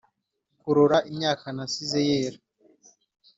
Kurora imyaka nasize yera